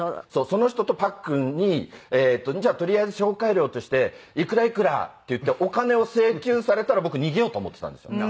その人とパックンに「じゃあとりあえず紹介料としていくらいくら」って言ってお金を請求されたら僕逃げようと思ってたんですよ。